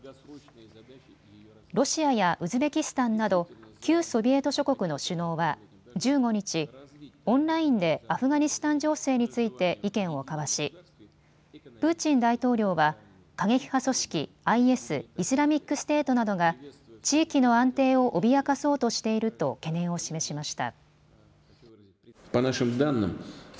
ロシアやウズベキスタンなど旧ソビエト諸国の首脳は１５日、オンラインでアフガニスタン情勢について意見を交わしプーチン大統領は過激派組織ＩＳ・イスラミックステートなどが地域の安定を脅かそうとしていると懸念を示しました。